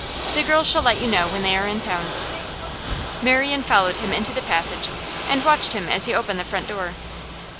The girls shall let you know when they are in town.' Marian followed him into the passage, and watched him as he opened the front door.